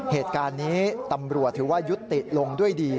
เหตุการณ์นี้ตำรวจถือว่ายุติลงด้วยดี